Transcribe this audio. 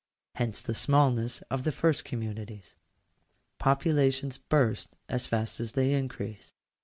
Hence the smallness of the first communities. Populations burst as fast as they increase.